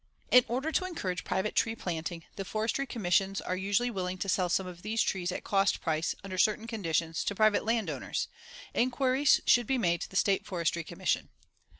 In order to encourage private tree planting, the Forestry Commissions are usually willing to sell some of these trees at cost price, under certain conditions, to private land owners. Inquiries should be made to the State Forestry Commission.